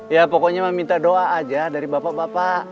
ya pokoknya meminta doa aja dari bapak bapak